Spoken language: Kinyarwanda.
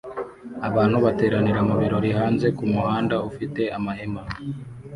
Abantu bateranira mubirori hanze kumuhanda ufite amahema